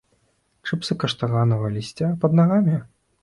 Чыпсы каштанавага лісця пад нагамі?